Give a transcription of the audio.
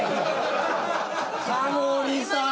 タモリさん！